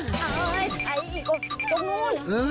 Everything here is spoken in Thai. ไอ้กรอบตรงนู้น